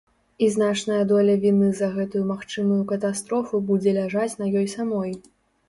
І значная доля віны за гэтую магчымую катастрофу будзе ляжаць на ёй самой.